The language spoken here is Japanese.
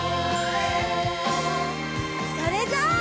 それじゃあ。